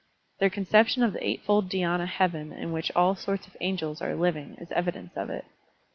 Their conception of the eightfold dhydna heaven in which all sorts of angels are living is evidence of it.